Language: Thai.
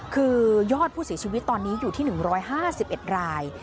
คือยอดผู้เสียชีวิตตอนนี้อยู่ที่๑๕๑ราย